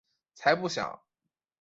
才不小！